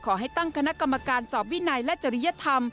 ขอให้ตั้งคณะกรรมการสอบวินัยและจริยธรรม